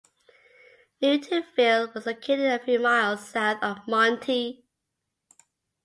Newtonville was located a few miles south of Monti.